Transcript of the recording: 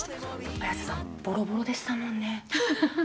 綾瀬さん、ぼろぼろでしたもんね。